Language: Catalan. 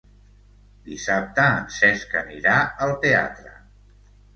Dissabte en Cesc anirà al teatre.